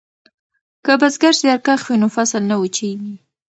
که بزګر زیارکښ وي نو فصل نه وچیږي.